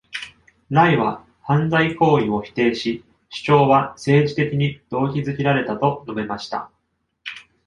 ライは犯罪行為を否定し、主張は政治的に動機付けられたと述べました。